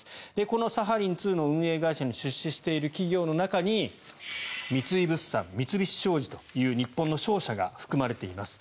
このサハリン２の運営会社に出資している企業の中に三井物産、三菱商事という日本の商社が含まれています。